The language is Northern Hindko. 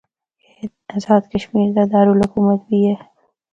اے آزاد کشمیر دا دارالحکومت بھی ہے۔